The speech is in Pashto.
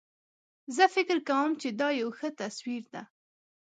زه فکر کوم چې دا یو ښه تصویر ده